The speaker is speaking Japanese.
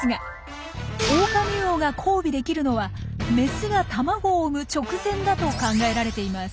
オオカミウオが交尾できるのはメスが卵を産む直前だと考えられています。